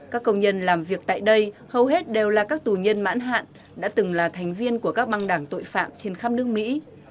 các công nhân làm việc tại đây hầu hết đều là các tù nhân mãn hạn đã từng là thành viên của các băng đảng tội phạm trên khắp nước mỹ